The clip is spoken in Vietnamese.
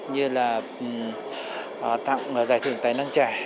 như là tặng giải thưởng tài năng trẻ